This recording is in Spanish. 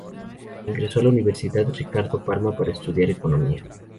Ingresó a la Universidad Ricardo Palma para estudiar Economía.